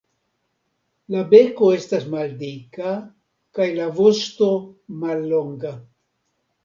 La beko estas maldika kaj la vosto mallonga.